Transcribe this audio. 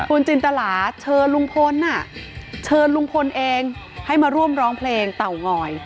คุณจินตลาเชิญลุงพลเชิญลุงพลเองให้มาร่วมร้องเพลงเต่างอย